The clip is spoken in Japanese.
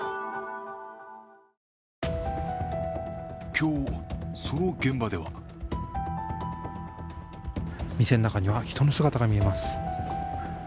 今日、その現場では店の中には人の姿が見えます。